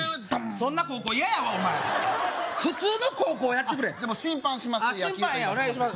そんな高校嫌やわお前普通の高校やってくれじゃもう審判します